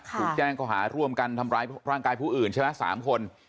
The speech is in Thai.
ถูกแจ้งเขาหาร่วมกันทำร้ายร่างกายผู้อื่นใช่ไหม๓คน